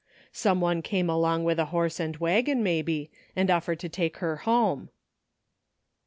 Some one came along with a horse and wagon, maybe, and offered to take her home."